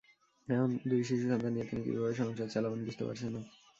এখন দুই শিশু সন্তান নিয়ে তিনি কীভাবে সংসার চালাবেন, বুঝতে পারছেন না।